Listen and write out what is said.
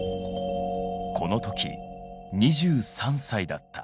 この時２３歳だった。